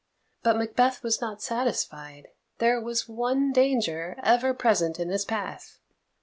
But Macbeth was not satisfied. There was one danger ever present in his path.